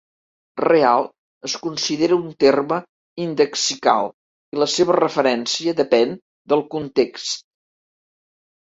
"Real" es considera un terme indexical i la seva referència depèn del context.